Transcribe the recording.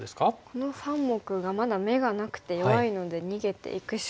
この３目がまだ眼がなくて弱いので逃げていくしかないですね。